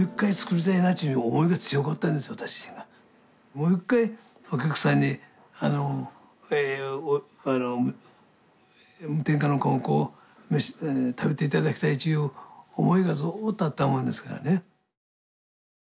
もう一回お客さんに無添加のかまぼこを食べていただきたいっちゅう思いがずっとあったもんですからね。